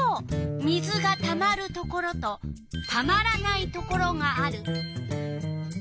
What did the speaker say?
水がたまるところとたまらないところがある。